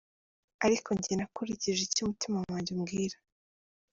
Ariko njye nakurikije icyo umutima wanjye umbwira.